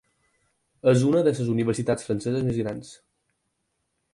És una de les universitats franceses més grans.